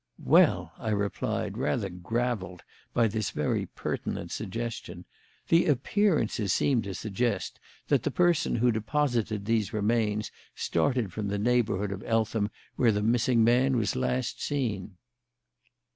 "Well," I replied, rather gravelled by this very pertinent question, "the appearances seem to suggest that the person who deposited these remains started from the neighbourhood of Eltham, where the missing man was last seen."